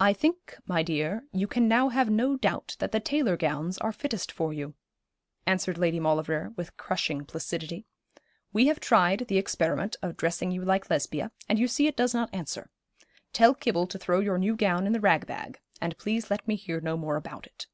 'I think, my dear, you can now have no doubt that the tailor gowns are fittest for you,' answered Lady Maulevrier, with crushing placidity. 'We have tried the experiment of dressing you like Lesbia, and you see it does not answer. Tell Kibble to throw your new gown in the rag bag, and please let me hear no more about it.'